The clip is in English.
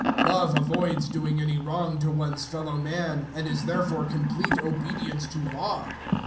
013:010 Love avoids doing any wrong to one's fellow man, and is therefore complete obedience to Law.